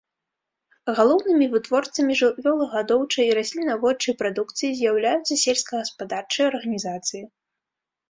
Галоўнымі вытворцамі жывёлагадоўчай і раслінаводчай прадукцыі з'яўляюцца сельскагаспадарчыя арганізацыі.